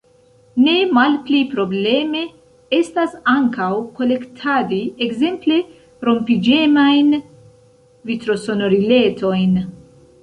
Ne malpli probleme estas ankaŭ kolektadi, ekzemple, rompiĝemajn vitrosonoriletojn.